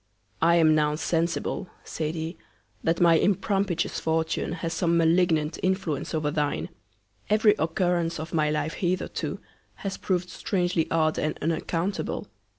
I am now sensible, said he, that my impropitious Fortune has some malignant Influence over thine; every Occurrence of my Life hitherto has prov'd strangely odd and unaccountable.